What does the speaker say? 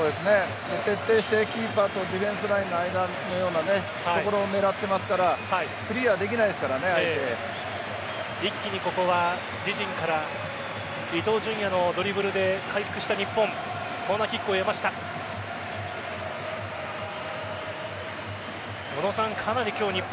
徹底してキーパーとディフェンスラインの間のようなところを狙ってますから一気にここは自陣から伊東純也のドリブルで回復した日本。